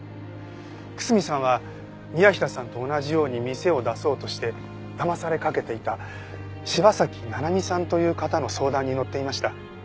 楠見さんは宮平さんと同じように店を出そうとしてだまされかけていた柴崎奈々美さんという方の相談にのっていました。